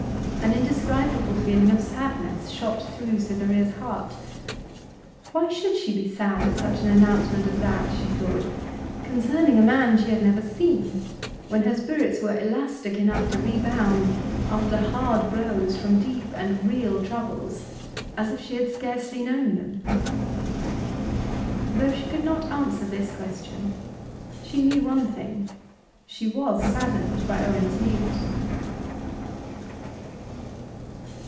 An indescribable feeling of sadness shot through Cytherea's heart. Why should she be sad at such an announcement as that, she thought, concerning a man she had never seen, when her spirits were elastic enough to rebound after hard blows from deep and real troubles as if she had scarcely known them? Though she could not answer this question, she knew one thing, she was saddened by Owen's news.